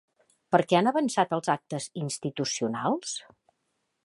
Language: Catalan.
Per què han avançat els actes institucionals?